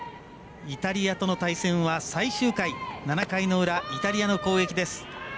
イタリアとの対戦は最終回７回の裏、イタリアの攻撃です。